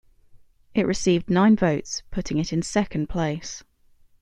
It received nine votes, putting it in second place.